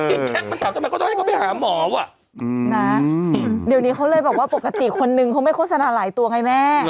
แท็กมันถามทำไมเขาต้องให้เขาไปหาหมออ่ะนะเดี๋ยวนี้เขาเลยบอกว่าปกติคนนึงเขาไม่โฆษณาหลายตัวไงแม่